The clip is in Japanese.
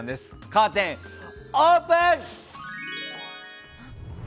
カーテン、オープン！